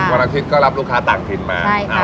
วันอาทิตย์ก็รับลูกค้าต่างถิ่นมา